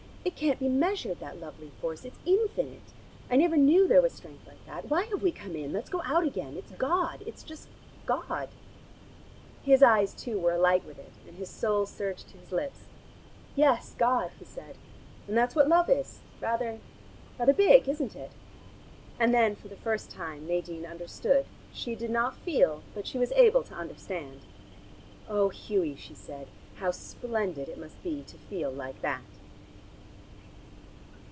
"It can't be measured, that lovely force. It's infinite. I never knew there was strength like that. Why have we come in? Let's go out again. It's God: it's just God." His eyes, too, were alight with it and his soul surged to his lips. "Yes, God," he said. "And that's what love is. Rather rather big, isn't it?" And then for the first time, Nadine understood. She did not feel, but she was able to understand. "Oh, Hughie," she said, "how splendid it must be to feel like that!"